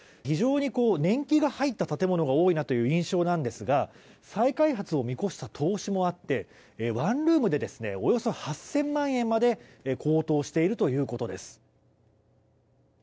非常に年季が入った建物が多いなという印象なんですが再開発を見越した投資もあってワンルームでおよそ８０００万円まで高騰しているということです。